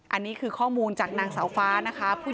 อันนี้คือข้อมูลจากนางสาวฟ้านะคะ